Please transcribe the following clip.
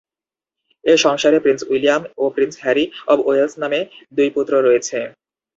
এ সংসারে Prince William ও Prince Harry of Wales নামে দুই পুত্র রয়েছে।